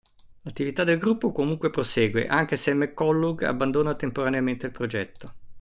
L'attività del gruppo comunque prosegue, anche se McCulloch abbandona temporaneamente il progetto.